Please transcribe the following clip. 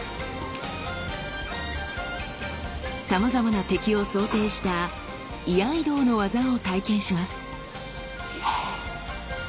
さまざまな敵を想定した居合道の技を体験します。